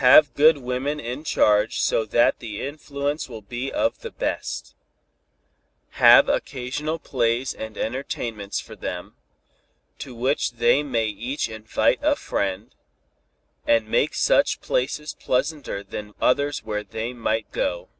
Have good women in charge so that the influence will be of the best. Have occasional plays and entertainments for them, to which they may each invite a friend, and make such places pleasanter than others where they might go.